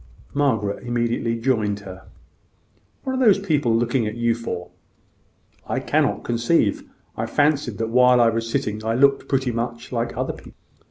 Margaret immediately joined her. "What are those people looking at you for?" "I cannot conceive. I fancied that while I was sitting I looked pretty much like other people."